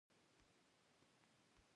د یو روښانه سبا لپاره.